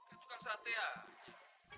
itu kan sate ya